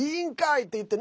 っていってね